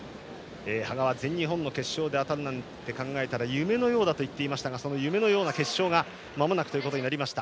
羽賀は全日本の決勝で当たるなんて考えたら夢のようだと言っていましたがその夢のような決勝がまもなくとなりました。